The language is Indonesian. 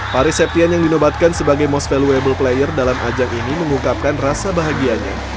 paris septian yang dinobatkan sebagai most valuable player dalam ajang ini mengungkapkan rasa bahagianya